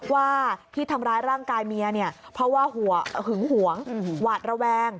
ว่าที่ทำร้ายร่างกายเมียเนี่ยเพราะว่าหึงหวงหวาดระแวง